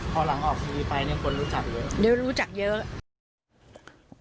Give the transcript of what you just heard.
พอหลังออกทีไปคุณรู้จักเยอะ